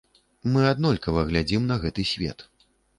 Мы аднолькава глядзім на гэты свет.